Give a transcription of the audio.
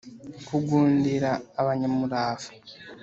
Kugundira abanyamurava,